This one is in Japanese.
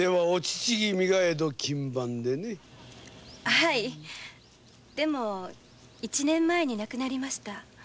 はいでも一年前に亡くなりました。